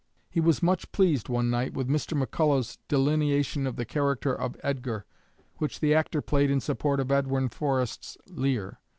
He was much pleased one night with Mr. McCullough's delineation of the character of "Edgar," which the actor played in support of Edwin Forrest's "Lear."